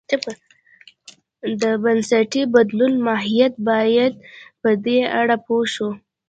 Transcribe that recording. د بنسټي بدلونو ماهیت باید په دې اړه پوه شو.